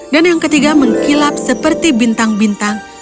dan yang ketiga mengkilap seperti bintang bintang